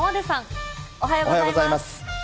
おはようございます。